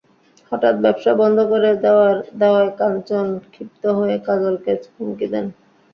হঠাৎ ব্যবসা বন্ধ করে দেওয়ায় কাঞ্চন ক্ষিপ্ত হয়ে কাজলকে হুমকি দেন।